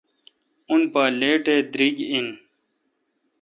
اں پے° لیٹ اے° دریگ این۔